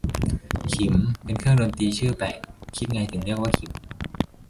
ขิม เป็นเครื่องดนตรีชื่อแปลก คิดไงถึงเรียกว่าขิม